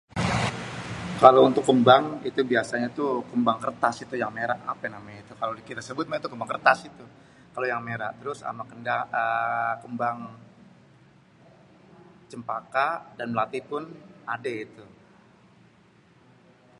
Kalo untuk kembang ituh biasanya tuh kembang kertas itu yang merah apê namanyê tuh kalo kita sebut mêh itu kembang kertas kalo yang merah itu. Trus ama êê kembang cempaka dan melati pun adê itu